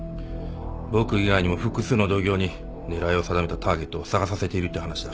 僕以外にも複数の同業に狙いを定めたターゲットを捜させているって話だ。